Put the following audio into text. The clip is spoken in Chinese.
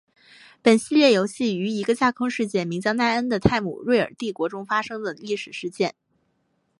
本系列游戏于一个架空世界名叫奈恩的泰姆瑞尔帝国中所发生的历史事件。